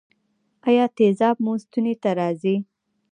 ایا تیزاب مو ستوني ته راځي؟